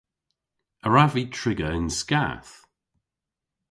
A wrav vy triga yn skath?